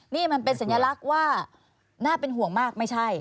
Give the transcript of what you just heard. นี่มันเป็นสัญลักษณ์ว่าน่าเป็นห่วงมากไม่ใช่